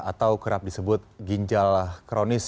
atau kerap disebut ginjal kronis